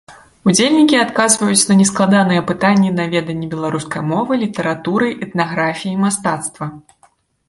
Удзельнікі адказваюць на нескладаныя пытанні на веданне беларускай мовы, літаратуры, этнаграфіі, мастацтва.